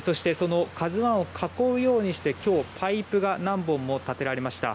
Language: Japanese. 「ＫＡＺＵ１」を囲うようにしてパイプが何本も立てられました。